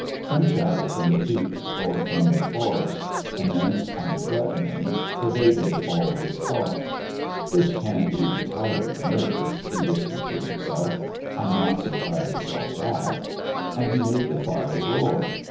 Some shadow from the peaks or from the forest, immense and threatening, pervaded all his thought. "This can't be entirely nerves," he whispered to himself. "I'm not so tired as all that!" And he made the fire roar.